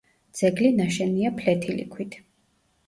ძეგლი ნაშენია ფლეთილი ქვით.